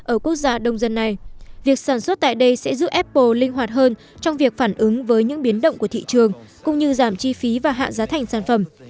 ở quốc gia đông dân này việc sản xuất tại đây sẽ giúp apple linh hoạt hơn trong việc phản ứng với những biến động của thị trường cũng như giảm chi phí và hạ giá thành sản phẩm